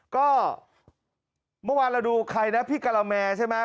ก็เมื่อวานเราดูใครนะพี่กะละแมใช่ไหม